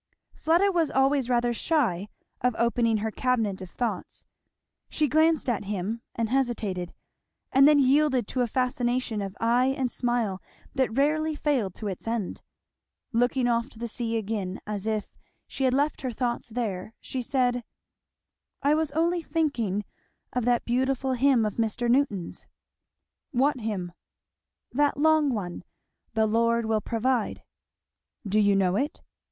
Fleda was always rather shy of opening her cabinet of thoughts. She glanced at him, and hesitated, and then yielded to a fascination of eye and smile that rarely failed of its end. Looking off to the sea again, as if she had left her thoughts there, she said, "I was only thinking of that beautiful hymn of Mr. Newton's." "What hymn?" "That long one, 'The Lord will provide.'" "Do you know it?